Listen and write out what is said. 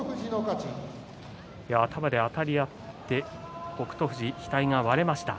頭であたり合って北勝富士、額が割れました。